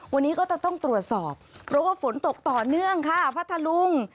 วันนี้ก็จะต้องตรวจสอบเพราะว่าฝนตกต่อเนื่องค่ะพัทธลุง